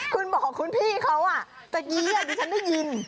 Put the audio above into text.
คุณบอกคุณพี่เขาแต่เยี่ยมดูฉันได้ยิน